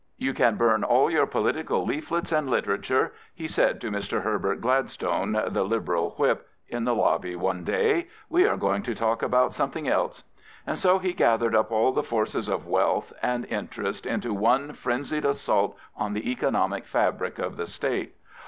"'You can burn all your political leaflets and literature/* he said to Mr. Herbert Gladstone, the Liberal Whip, in the lobby one day. " We are going to talk about something" else, And so he gathered up all the forces of wealth and interest into one frenzied assault on the economic fabric of the State.